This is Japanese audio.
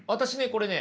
これね